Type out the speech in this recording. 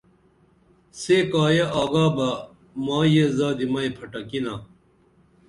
سے کایہ آگا بہ مائی یہ زادی مئی پھٹَکِنا